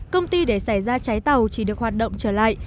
công ty để xảy ra cháy tàu chỉ được hoạt động trở lại